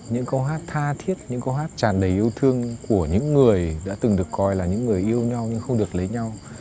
những câu hát tha thiết những câu hát tràn đầy yêu thương của những người đã từng được coi là những người yêu nhau nhưng không được lấy nhau